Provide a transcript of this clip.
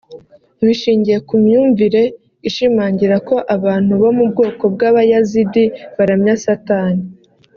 bishingiye ku myumvire ishimangira ko abantu bo mu bwoko bw’ Abayazidi baramya Satani